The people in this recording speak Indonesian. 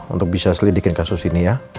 untuk bisa selidikin kasus ini ya